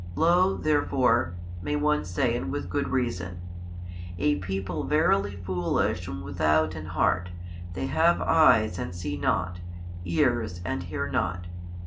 Lo therefore (may one say and with good reason) a people verily foolish and without an heart, they have eyes and see not, ears and hear not.